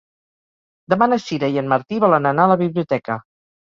Demà na Sira i en Martí volen anar a la biblioteca.